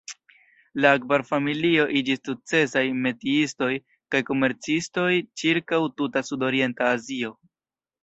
La Abgar-familio iĝis sukcesaj metiistoj kaj komercistoj ĉirkaŭ tuta sudorienta Azio.